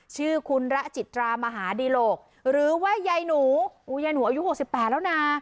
ชื่อคุณระจิตรามหาดีโหลกหรือว่ายายหนูอุ้ยยายหนูอายุหกสิบแปดแล้วนะ